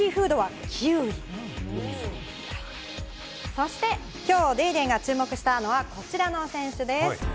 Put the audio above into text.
そして、きょう『ＤａｙＤａｙ．』が注目したのがこちらの選手です！